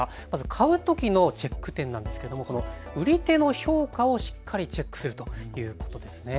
買うときのチェック点なんですけれども売り手の評価をしっかりチェックするということですね。